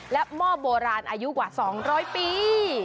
หม้อโบราณอายุกว่า๒๐๐ปี